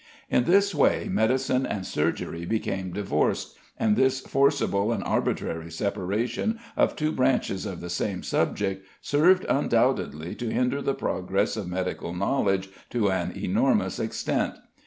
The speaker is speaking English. In this way medicine and surgery became divorced, and this forcible and arbitrary separation of two branches of the same subject served undoubtedly to hinder the progress of medical knowledge to an enormous extent.